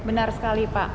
benar sekali pak